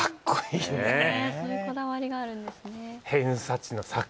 そういうこだわりがあるんですね。